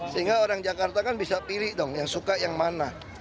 sehingga orang jakarta kan bisa pilih dong yang suka yang mana